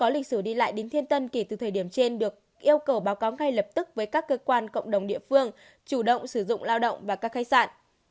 lại đến thiên tân kể từ thời điểm trên được yêu cầu báo cáo ngay lập tức với các cơ quan cộng đồng địa phương chủ động sử dụng lao động và các khai sạn